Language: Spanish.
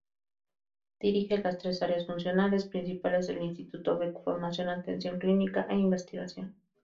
Dirige las tres áreas funcionales principales del Instituto Beck: formación, atención clínica e investigación.